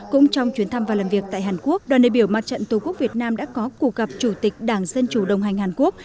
cũng trong chuyến thăm và làm việc tại hàn quốc đoàn đề biểu mặt trận tổ quốc việt nam đã có cuộc gặp chủ tịch đảng dân chủ đồng hành hàn quốc